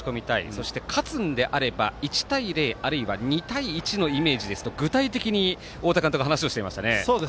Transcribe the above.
そして、勝つんであれば１対０、あるいは２対１のイメージですと具体的に太田監督話をしていましたね。